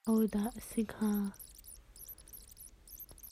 Aho dah a si hnga?